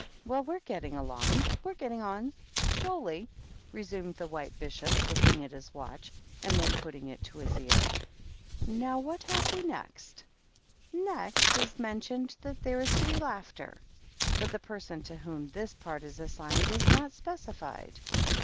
" Well, we're getting along ; we're getting on — slowly," resumed the White Bishop, looking at his watch, and then putting it to his ear. " Now, what have we next ? Next is mentioned . that there is to be laughter^ but the person to whom this part is assigned is not specified."